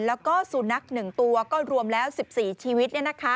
แล้วก็สุนัข๑ตัวก็รวมแล้ว๑๔ชีวิต